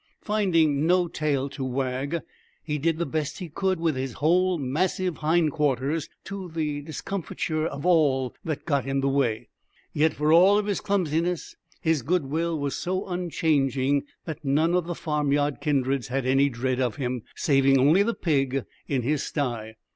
Finding no tail to wag, he did the best he could with his whole massive hindquarters, to the discomfiture of all that got in the way. Yet, for all his clumsiness, his good will was so unchanging that none of the farmyard kindreds had any dread of him, saving only the pig in his sty.